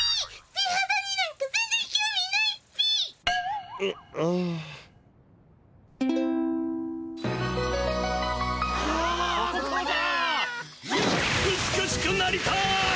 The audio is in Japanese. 美しくなりたい！